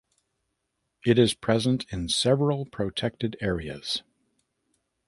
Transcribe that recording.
It is present in several protected areas.